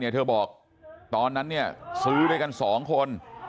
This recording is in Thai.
เนี่ยเธอบอกตอนนั้นเนี่ยเสื้อด้วยกันสองคน